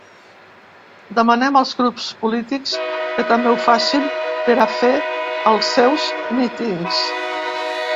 Demanem als grups polítics que també ho facin per a fer els seus mítings.